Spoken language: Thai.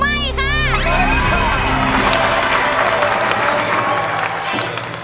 ไม่ค่ะ